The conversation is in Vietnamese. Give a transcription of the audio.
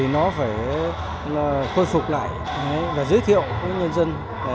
nó phải khôi phục lại và giới thiệu với nhân dân